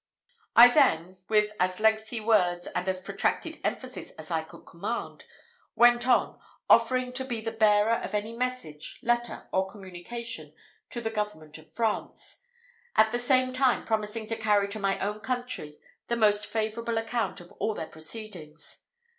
I then, with as lengthy words and as protracted emphasis as I could command, went on, offering to be the bearer of any message, letter, or communication, to the government of France; at the same time promising to carry to my own country the most favourable account of all their proceedings.